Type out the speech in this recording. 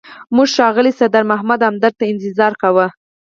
موږ ښاغلي سردار محمد همدرد ته انتظار کاوه.